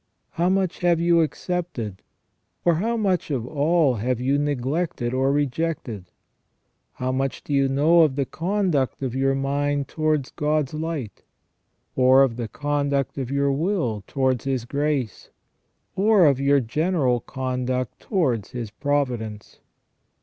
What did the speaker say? How much have you accepted, or how much of all have you neglected or rejected ? How much do you know of the conduct of your mind towards God's light ? Or of the conduct of your will towards His grace ? Or of your general conduct towards His providence?